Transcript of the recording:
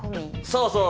そうそう！